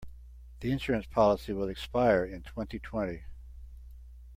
The insurance policy will expire in twenty-twenty.